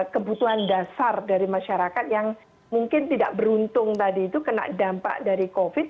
kebutuhan dasar dari masyarakat yang mungkin tidak beruntung tadi itu kena dampak dari covid